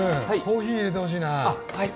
コーヒーいれてほしいなはい